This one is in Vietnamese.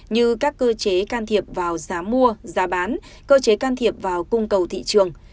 như các cơ chế can thiệp vào giá mua giá bán cơ chế can thiệp vào cung cầu thị trường